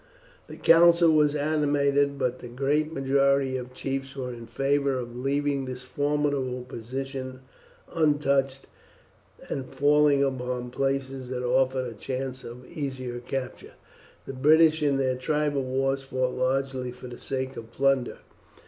The council was animated, but the great majority of chiefs were in favour of leaving this formidable position untouched, and falling upon places that offered a chance of an easier capture. The British in their tribal wars fought largely for the sake of plunder.